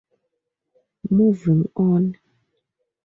Moving on.